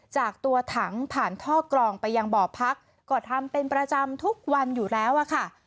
จากตัวถังผ่านท่อกรองไปยังบ่อพักก็ทำเป็นประจำทุกวันอยู่แล้วอะค่ะ